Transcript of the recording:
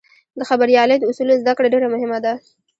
د خبریالۍ د اصولو زدهکړه ډېره مهمه ده.